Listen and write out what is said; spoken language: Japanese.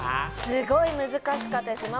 すごい難しかったです。